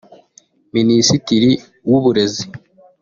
Minisitiri w’Uburezi